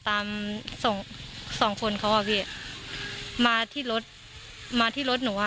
สองสองคนเขาอ่ะพี่มาที่รถมาที่รถหนูอ่ะ